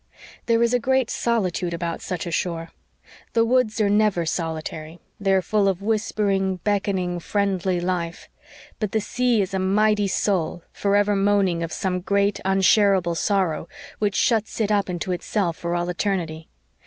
There is a great solitude about such a shore. The woods are never solitary they are full of whispering, beckoning, friendly life. But the sea is a mighty soul, forever moaning of some great, unshareable sorrow, which shuts it up into itself for all eternity.